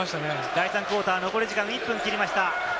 第３クオーター、残り時間１分切りました。